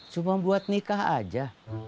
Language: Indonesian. cuma buat nikah aja